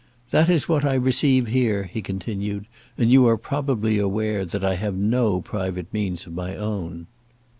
"That is what I receive here," he continued, "and you are probably aware that I have no private means of my own."